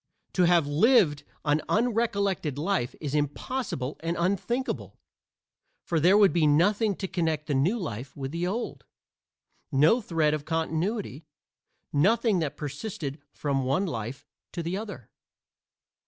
To have lived an unrecollected life is impossible and unthinkable, for there would be nothing to connect the new life with the old no thread of continuity nothing that persisted from the one life to the other.